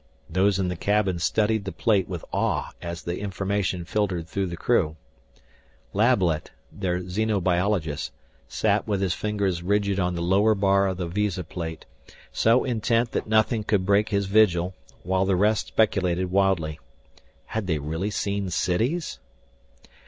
Those in the cabin studied the plate with awe as the information filtered through the crew. Lablet, their xenobiologist, sat with his fingers rigid on the lower bar of the visa plate, so intent that nothing could break his vigil, while the rest speculated wildly. Had they really seen cities?